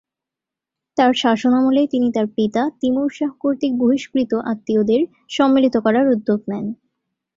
তার শাসনামলে তিনি তার পিতা তিমুর শাহ কর্তৃক বহিষ্কৃত আত্মীয়দের সম্মিলিত করার উদ্যোগ নেন।